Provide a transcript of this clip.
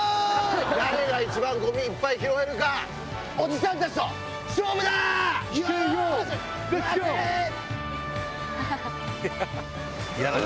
誰が一番、ごみいっぱい拾えるか、おじさんたちと勝負だ！